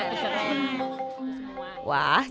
wah cara sosialisasi